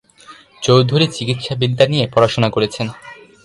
চৌধুরী চিকিৎসাবিদ্যা নিয়ে পড়াশোনা করেছেন।